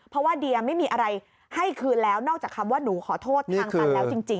เพราะว่าเดียไม่มีอะไรให้คืนแล้วนอกจากคำว่าหนูขอโทษทางตันแล้วจริง